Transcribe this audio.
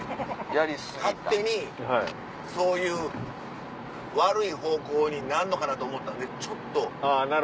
勝手にそういう悪い方向になんのかなと思ったんでちょっと。